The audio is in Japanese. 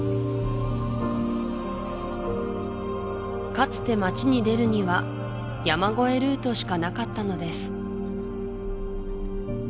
かつて街に出るには山越えルートしかなかったのです